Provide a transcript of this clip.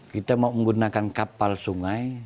kita mau menggunakan kapal sungai